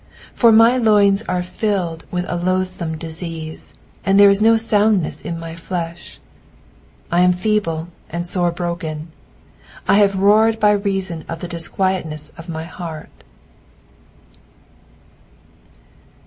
. 7 For my loins are filled with a loathsome disease: and there is no soundness in my flesh. 8 I am feeble and sore broken : I have roared by reason of the disquietness of my heart.